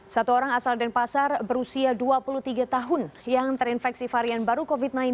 satu orang asal denpasar berusia dua puluh tiga tahun yang terinfeksi varian baru covid sembilan belas